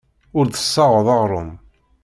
Ur d-tessaɣeḍ aɣrum.